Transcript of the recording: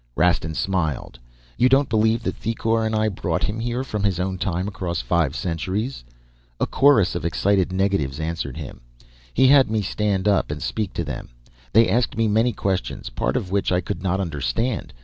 "Rastin smiled. 'You don't believe that Thicourt and I brought him here from his own time across five centuries?' "A chorus of excited negatives answered him. He had me stand up and speak to them. They asked me many questions, part of which I could not understand.